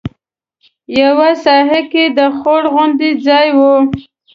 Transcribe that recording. یوه ساحه کې د خوړ غوندې ځای و.